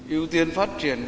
ưu tiên phát triển